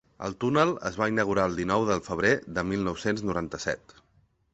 El túnel es va inaugurar el dinou de febrer de mil nou-cents noranta-set.